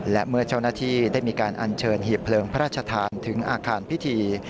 และเมื่อเจ้าหน้าที่ได้มีการอัญเชิญหีบเลิงพระราชทานถึงอาคารพิธี